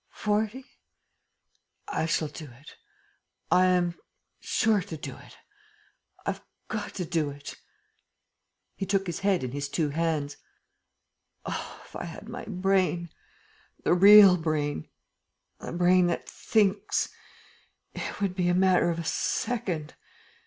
"Forty? ... I shall do it. ... I am sure to do it. ... I've got to do it. ..." He took his head in his two hands. "Oh, if I had my brain, the real brain, the brain that thinks! It would be a matter of a second!